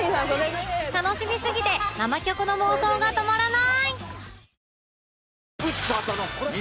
楽しみすぎて生キョコの妄想が止まらない！